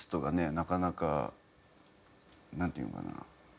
なかなかなんていうのかな？